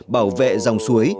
bảo vệ dòng suối